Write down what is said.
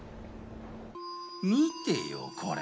見てよこれ。